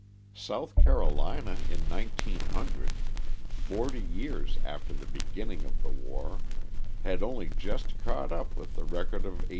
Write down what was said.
South Carolina in 1900 forty years after the beginning of the war had only just caught up with the record of 1860.